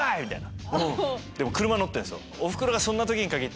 もう車乗ってるんですよ。